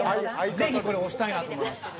ぜひこれを推したいなと思います。